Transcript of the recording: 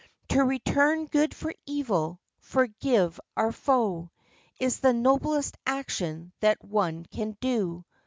To return good for eVil — forgive our foe — Is the noblest action that one can do.